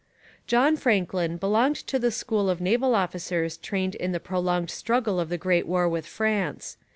John Franklin belonged to the school of naval officers trained in the prolonged struggle of the great war with France.